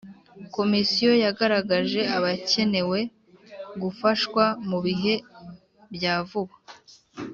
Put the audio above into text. Komisiyo yagaragaje abakenewe gufashwa mu bihe byavuba